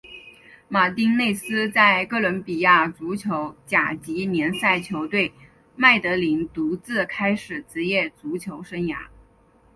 马丁内斯在哥伦比亚足球甲级联赛球队麦德林独立开始职业足球生涯。